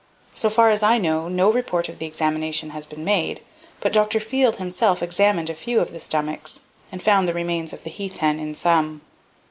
So far as I know, no report of the examination has been made, but Dr. Field himself examined a few of the stomachs and found the remains of the heath hen in some.